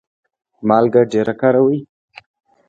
مالګه ډیره کاروئ؟